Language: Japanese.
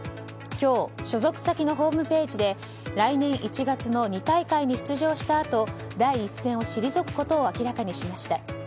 今日、所属先のホームページで来年１月の２大会に出場したあと第一線を退くことを明らかにしました。